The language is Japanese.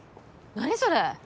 何それ？